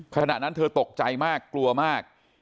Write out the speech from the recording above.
ขณะนั้นเธอตกใจมากกลัวมาก